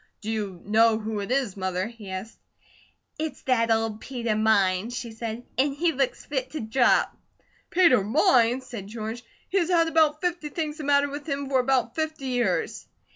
"Do you know who it is, Mother?" he asked. "It's that old Peter Mines," she said, "an' he looks fit to drop." "Peter Mines!" said George. "He's had about fifty things the matter with him for about fifty years."